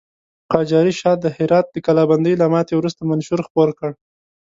قاجاري شاه د هرات د کلابندۍ له ماتې وروسته منشور خپور کړ.